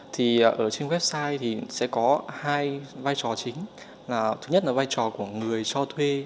thì ở trên website thì sẽ có hai vai trò chính là thứ nhất là vai trò của người cho thuê